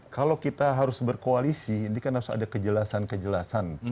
kalau kita harus berkoalisi ini kan harus ada kejelasan kejelasan